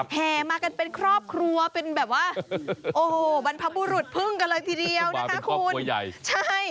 แห่มากันเป็นครอบครัวเป็นแบบว่าโอ้โหบรรพบุรุษพึ่งกันเลยทีเดียวนะคะคุณใช่